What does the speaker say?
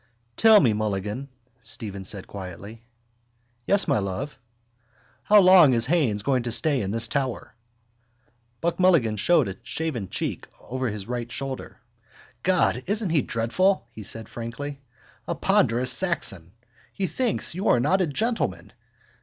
—Tell me, Mulligan, Stephen said quietly. —Yes, my love? —How long is Haines going to stay in this tower? Buck Mulligan showed a shaven cheek over his right shoulder. —God, isn't he dreadful? he said frankly. A ponderous Saxon. He thinks you're not a gentleman.